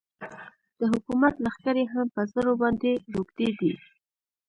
د حکومت لښکرې هم په زرو باندې روږدې دي.